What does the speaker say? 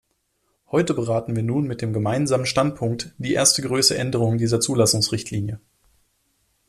Heute beraten wir nun mit dem Gemeinsamen Standpunkt die erste größere Änderung dieser Zulassungsrichtlinie.